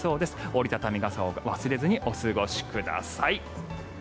折り畳み傘を忘れずにお過ごしください。